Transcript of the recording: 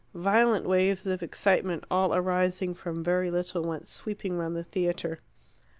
Violent waves of excitement, all arising from very little, went sweeping round the theatre.